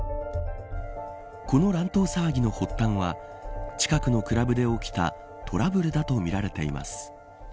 この乱闘騒ぎの発端は近くのクラブで起きたトラブルだとみられています。